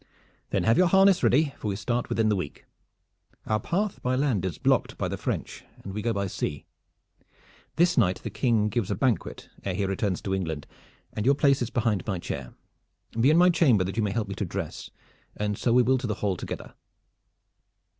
"Then have your harness ready, for we start within the week. Our path by land is blocked by the French, and we go by sea. This night the King gives a banquet ere he returns to England, and your place is behind my chair. Be in my chamber that you may help me to dress, and so we will to the hall together."